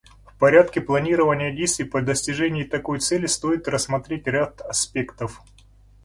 В порядке планирования действий по достижению такой цели стоит рассмотреть ряд аспектов.